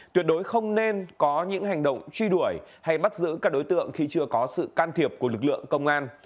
tuyệt đối không nên có những hành động truy đuổi hay bắt giữ các đối tượng khi chưa có sự can thiệp của lực lượng công an